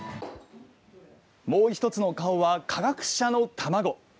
もう１つの顔は科学者の卵。